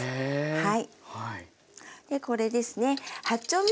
はい。